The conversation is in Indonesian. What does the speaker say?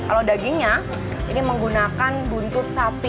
kalau dagingnya ini menggunakan buntut sapi